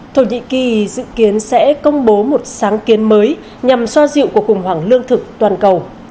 thổ nhĩ kỳ dự kiến sẽ công bố một sáng kiến mới nhằm xoa dịu cuộc khủng hoảng lương thực toàn cầu